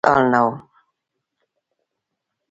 ووایه چرته جلان ځمکه نه وم نال نه وم ؟